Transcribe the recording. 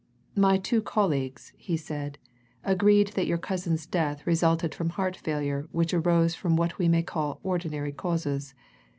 "My two colleagues," he said, "agreed that your cousin's death resulted from heart failure which arose from what we may call ordinary causes.